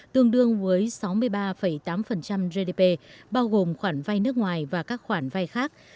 tương đương với sáu mươi ba tám gdp bao gồm khoản vai nước ngoài và các khoản vai khác